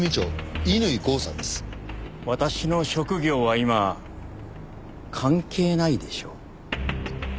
私の職業は今関係ないでしょう。